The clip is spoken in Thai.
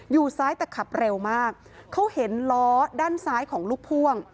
อยู่ซ้ายแต่ขับเร็วมากเขาเห็นล้อด้านซ้ายของลูกพ่วง